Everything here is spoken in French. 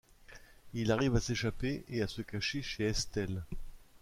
Il arrive à s'échapper et à se cacher chez Estelle.